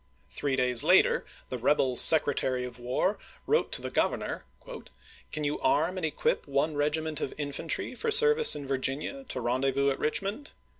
Three days later the rebel Secretary of War wi'ote to the Governor :" Can you arm and equip one regiment of infantry for service in Virginia to rendezvous at Richmond?